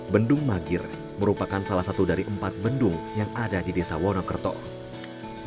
bendung magir merupakan salah satu dari empat bendung yang ada di desa wonokerto